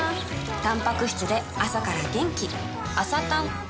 たんぱく質で朝から元気